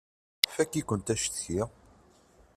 Fakk-ikent acetki!